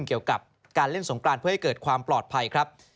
เกี่ยวกับการเล่นสงกรานเพื่อให้เกิดความปลอดภัยครับ